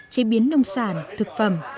chế biến nông sản thực phẩm